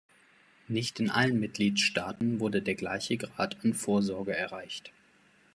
Nicht in allen Mitgliedstaaten wurde der gleiche Grad an Vorsorge erreicht.